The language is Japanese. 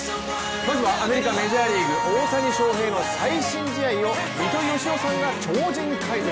まずはアメリカ、メジャーリーグ、大谷翔平の最新試合を糸井嘉男さんが超人解説。